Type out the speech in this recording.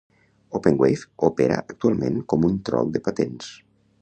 Openwave opera actualment com un trol de patents.